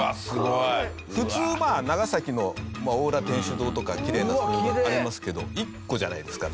普通長崎の大浦天主堂とかきれいなありますけど１個じゃないですか。